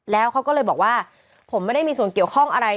แล้วเขาก็เลยบอกว่าผมไม่ได้มีส่วนเกี่ยวข้องอะไร